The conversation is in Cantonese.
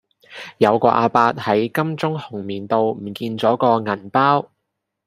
有個亞伯喺金鐘紅棉路唔見左個銀包